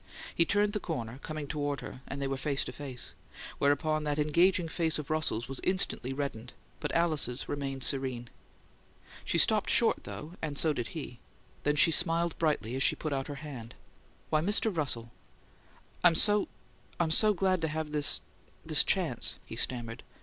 He turned the corner, coming toward her, and they were face to face; whereupon that engaging face of Russell's was instantly reddened, but Alice's remained serene. She stopped short, though; and so did he; then she smiled brightly as she put out her hand. "Why, Mr. Russell!" "I'm so I'm so glad to have this this chance," he stammered.